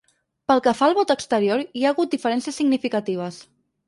Pel que fa al vot exterior, hi ha hagut diferències significatives.